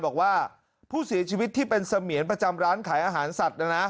บอกว่าผู้เสียชีวิตที่เป็นเสมียนประจำร้านขายอาหารสัตว์